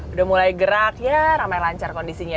udah mulai gerak ya ramai lancar kondisinya